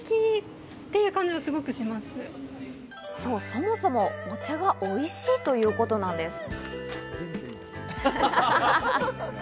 そもそも、お茶がおいしいということなんです。